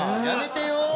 やめてよ。